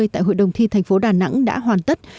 tại hội đồng thi tp đà nẵng đã hoàn tất